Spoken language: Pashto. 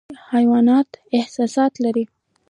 حیوانات احساسات لري